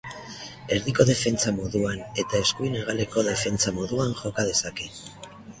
Erdiko defentsa moduan eta eskuin hegaleko defentsa moduan joka dezake.